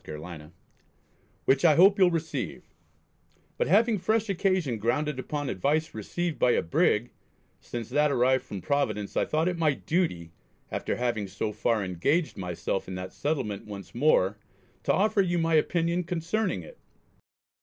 Carolina) which I hope you'll receive, but having fresh occasion grounded upon advice received by a Brig; since that arrived from Providence I thought it my duty, after having so far engaged myself in that settlement once more to offer you my opinion concerning it.